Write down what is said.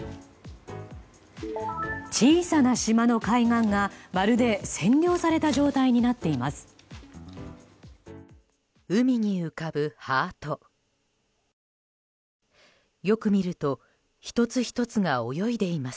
小さな島の海岸がまるで占領された状態になっています。